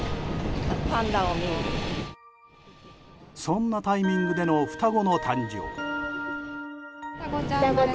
そんなタイミングでの双子の誕生。